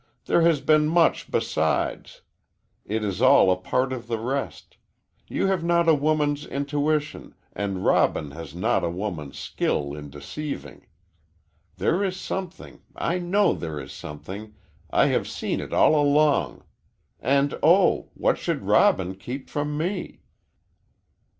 "There has been much besides. It is all a part of the rest. You have not a woman's intuition, and Robin has not a woman's skill in deceiving. There is something I know there is something I have seen it all along. And, oh, what should Robin keep from me?"